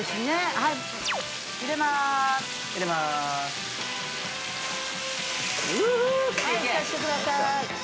はいフタしてください